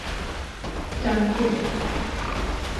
Tankjewol.